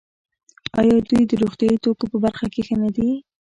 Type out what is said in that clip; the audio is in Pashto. آیا دوی د روغتیايي توکو په برخه کې ښه نه دي؟